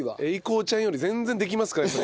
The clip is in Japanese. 英孝ちゃんより全然できますか？